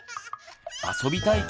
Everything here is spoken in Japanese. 「遊びたい」